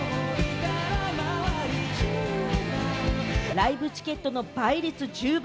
ライブチケットの倍率１０倍！